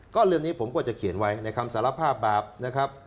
ก็เรื่องนี้ผมก็จะเขียนไว้ในคำสารภาพบาปนะครับ